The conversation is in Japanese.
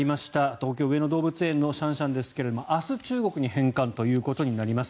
東京・上野動物園のシャンシャンですが明日、中国に返還ということになります。